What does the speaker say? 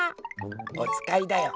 おつかいだよ。